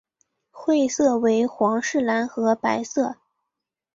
会色为皇室蓝和白色。